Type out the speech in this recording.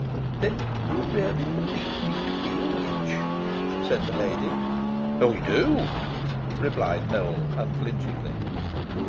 "Then you really believe me to be a witch?" said the lady. "I do," replied Nowell, unflinchingly.